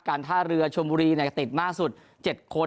ท่าเรือชมบุรีติดมากสุด๗คน